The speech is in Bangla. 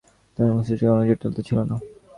তাঁর মস্তিষ্কে কোন জটিলতা ছিল না।